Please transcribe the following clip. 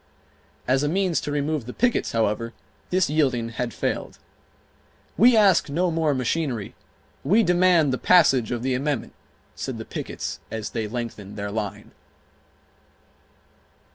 As a means to remove the pickets, however, this yielding had failed. "We ask no more machinery; we demand the passage of the amendment," said the pickets as they lengthened their line.